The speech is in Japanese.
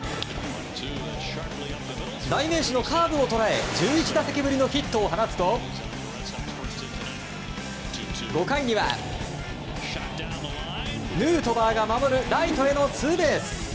代名詞のカーブを捉え１１打席ぶりのヒットを放つと５回にはヌートバーが守るライトへのツーベース！